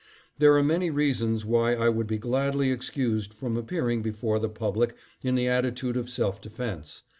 " There are many reasons why I would be gladly ex cused from appearing before the public in the attitude of self defense.